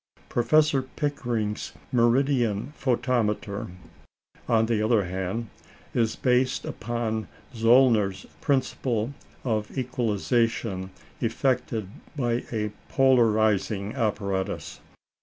Professor Pickering's "meridian photometer," on the other hand, is based upon Zöllner's principle of equalization effected by a polarising apparatus.